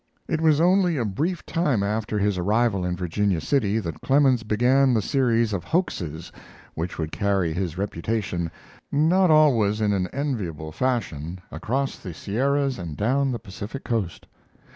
It was only a brief time after his arrival in Virginia City that Clemens began the series of hoaxes which would carry his reputation, not always in an enviable fashion, across the Sierras and down the Pacific coast.